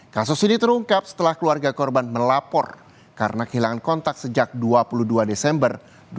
kasus ini terungkap setelah keluarga korban melapor karena kehilangan kontak sejak dua puluh dua desember dua ribu dua puluh